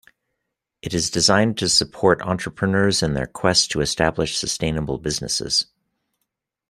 It is designed to support entrepreneurs in their quest to establish sustainable businesses.